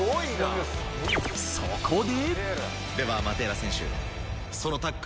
そこで。